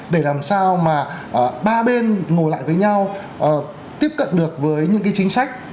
để làm sao mà ba bên ngồi lại với nhau tiếp cận được với những cái chính sách